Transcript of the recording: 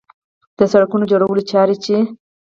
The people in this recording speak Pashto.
د سړکونو جوړولو چارې چې